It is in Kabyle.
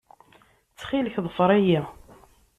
Ttxil-k, ḍfer-iyi.